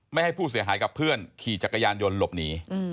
ให้ผู้เสียหายกับเพื่อนขี่จักรยานยนต์หลบหนี